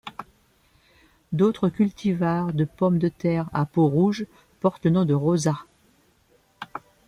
D'autres cultivars de pomme de terre à peau rouge portent le nom de 'Rosa'.